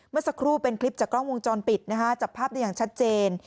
เมื่อสักครู่เป็นคลิปจากกล้องวงจรปิดนะฮะจับภาพได้อย่างชัดเจน